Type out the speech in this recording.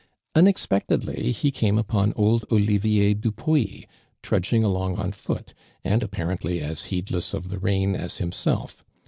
Unexpectedly he came upon old Olivier Dupuis trudging along on loot, and appa rently as heedless of the rain as himself.